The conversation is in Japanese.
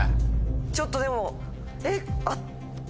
ちょっとでもえっあっ。